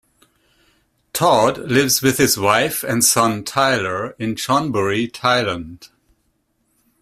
Todd lives with his wife and son Tyler in Chonburi, Thailand.